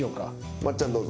松ちゃんどうぞ。